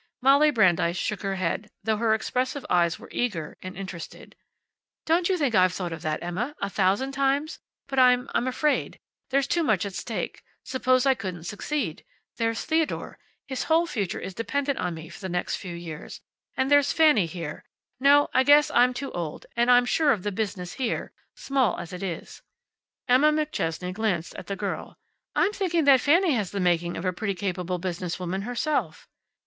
Molly Brandeis shook her head, though her expressive eyes were eager and interested. "Don't you think I've thought of that, Emma? A thousand times? But I'm I'm afraid. There's too much at stake. Suppose I couldn't succeed? There's Theodore. His whole future is dependent on me for the next few years. And there's Fanny here. No, I guess I'm too old. And I'm sure of the business here, small as it is." Emma McChesney glanced at the girl. "I'm thinking that Fanny has the making of a pretty capable business woman herself."